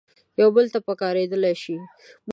یو بل ته پکارېدلای شي.